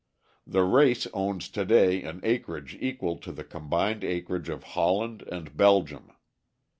The race owns to day an acreage equal to the combined acreage of Holland and Belgium.